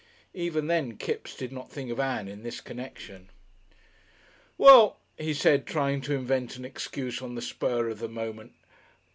Even then Kipps did not think of Ann in this connection. "Well," he said, trying to invent an excuse on the spur of the moment.